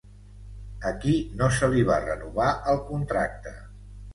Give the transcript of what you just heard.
A qui no se li va renovar el contracte?